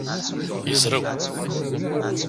Yezrew.